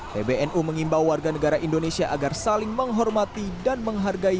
pbnu mengimbau warga negara indonesia agar saling menghormati dan menghargai